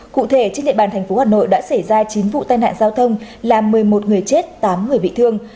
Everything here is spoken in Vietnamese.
cụ thể trên địa bàn tp hcm đã xảy ra chín vụ tai nạn giao thông làm một mươi một người chết tám người bị thương